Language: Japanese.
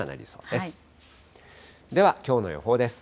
では、きょうの予報です。